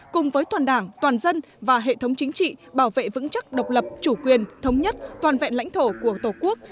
cùng với toàn đảng toàn dân và hệ thống chính trị bảo vệ vững chắc độc lập chủ quyền thống nhất toàn vẹn lãnh thổ của tổ quốc